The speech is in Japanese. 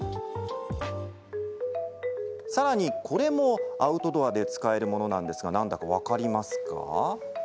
さらに、こちらもアウトドアで使えるものなんですが何だか分かりますか？